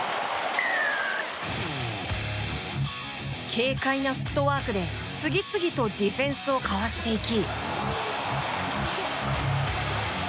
軽快なフットワークで次々とディフェンスをかわしていき。